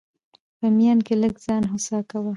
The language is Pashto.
په ميان کي لږ ځان هوسا کوه!